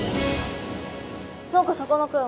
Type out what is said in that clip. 何かさかなクン